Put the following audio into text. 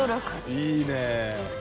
いいね。